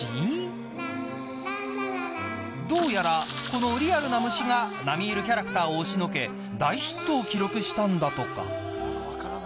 どうやら、このリアルな虫が並みいるキャラクターを押しのけ大ヒットを記録したんだとか。